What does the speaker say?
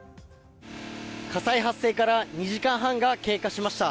火災発生から２時間半が経過しました。